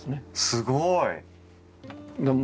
すごい！